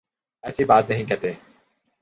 ایسی بات نہیں کہتے